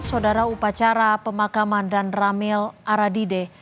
saudara upacara pemakaman dan ramil aradide